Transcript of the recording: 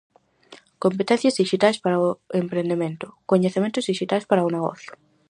Competencias dixitais para o empredemento: Coñecementos dixitais para o negocio.